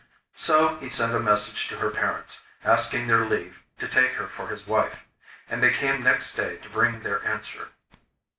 So he sent a message to her parents asking their leave to take her for his wife, and they came next day to bring their answer.